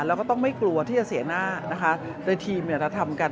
แล้วก็ต้องไม่กลัวที่จะเสียหน้าในทีมรัฐธรรมกัน